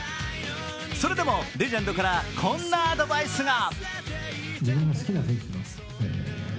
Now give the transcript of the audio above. それでも、レジェンドからこんなアドバイスが。